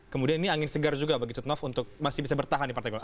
kemudian ini angin segar juga bagi setnov untuk masih bisa bertahan di partai golkar